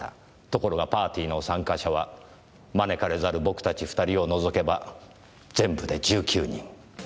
ところがパーティーの参加者は招かれざる僕たち２人を除けば全部で１９人。